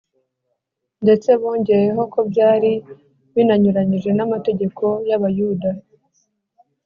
ndetse bongeyeho ko byari binanyuranije n’amategeko y’abayuda